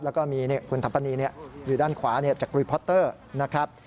แล้วก็มีคุณถัมปนีอยู่ด้านขวาจากรีพอตเตอร์นะครับ